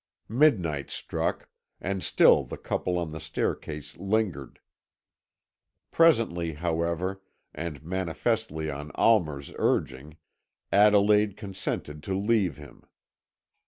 Midnight struck, and still the couple on the staircase lingered. Presently, however, and manifestly on Almer's urging, Adelaide consented to leave him.